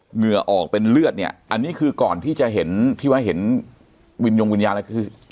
เหงื่อออกเป็นเลือดอันนี้คือก่อนที่จะเห็นวิญญาณอะไร